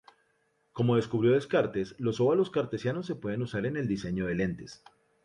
Como descubrió Descartes, los óvalos cartesianos se pueden usar en el diseño de lentes.